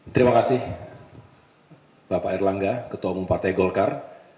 terima kasih bapak erlangga ketua umum partai golkar